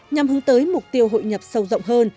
nhằm hướng tới mục tiêu hội nhập sâu rộng hơn